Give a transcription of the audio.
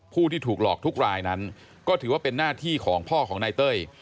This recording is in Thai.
ผู้ที่ถูกหลอกทุกรายนั้นก็ถือว่าเป็นหน้าที่ของพ่อของนายเต้ย